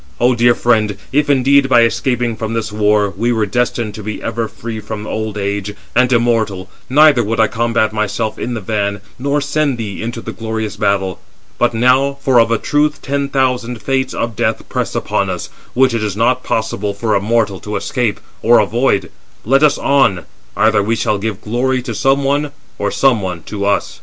O dear friend, if indeed, by escaping from this war, we were destined to be ever free from old age, and immortal, neither would I combat myself in the van, nor send thee into the glorious battle. But now—for of a truth ten thousand Fates of death press upon us, which it is not possible for a mortal to escape or avoid—let us on: either we shall give glory to some one, or some one to us."